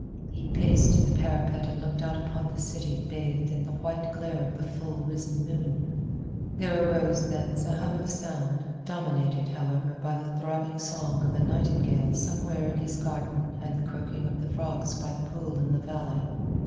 He paced to the parapet and looked out upon the city bathed in the white glare of the full risen moon. There arose thence a hum of sound, dominated, however, by the throbbing song of a nightingale somewhere in his garden and the croaking of the frogs by the pool in the valley.